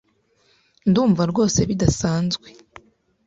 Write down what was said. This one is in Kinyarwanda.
Ndumva rwose bidasanzwe.